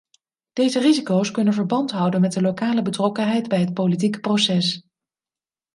Deze risico's kunnen verband houden met de lokale betrokkenheid bij het politieke proces.